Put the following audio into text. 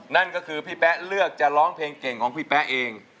นั่นก็คือพี่แป๊ะเลือกจะร้องเพลงเก่งของพี่แป๊ะเอง